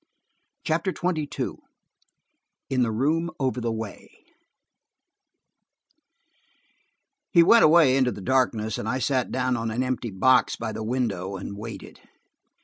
CHAPTER XXII IN THE ROOM OVER THE WAY HE WENT away into the darkness, and I sat down on an empty box by the window and waited.